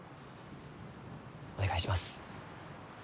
お願いします。